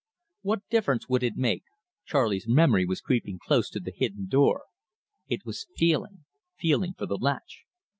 "What difference would it make?" Charley's memory was creeping close to the hidden door. It was feeling feeling for the latch.